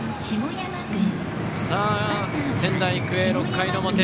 仙台育英、６回の表。